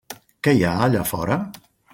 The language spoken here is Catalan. Què hi ha allà fora?